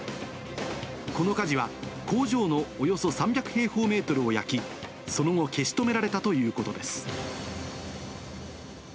この火事は工場のおよそ３００平方メートルを焼き、その後、消し止められたということです。